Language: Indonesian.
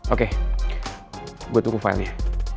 oke gue tunggu filenya